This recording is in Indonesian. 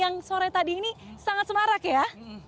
yang sore tadi ini sangat semarak ya